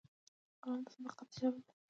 قلم د صداقت ژبه ده